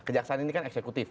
kejaksaan ini kan eksekutif